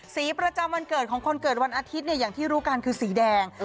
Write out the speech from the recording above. สีประจำวันเกิดของคนเกิดวันอาทิตย์เนี่ยอย่างที่รู้กันคือสีแดง